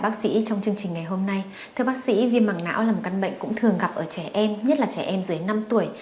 thưa bác sĩ viêm mảng não là một căn bệnh cũng thường gặp ở trẻ em nhất là trẻ em dưới năm tuổi